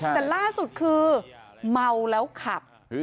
แต่ล่าสุดคือเมาแล้วขับ